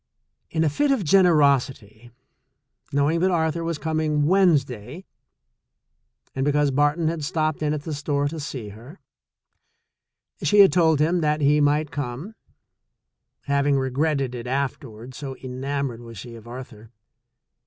In a fit of generosity, knowing that Ar thur was coming Wednesday, and because Barton had stopped in at the store to see her, she had told him that he might come, having regretted it afterward, so en amored was she of Arthur.